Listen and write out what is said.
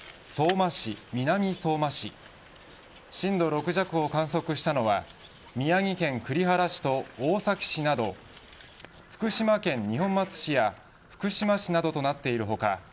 相馬市、南相馬市震度６弱を観測したのは宮城県栗原市と大崎市など福島県二本松市や福島市などとなっている他